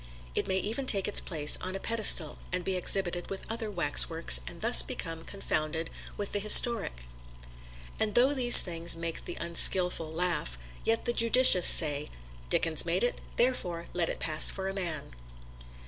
It may even take its place on a pedestal and be exhibited with other waxworks and thus become confounded with the historic And though these things make the unskilful laugh, yet the judicious say, "Dickens made it, therefore let it pass for a man."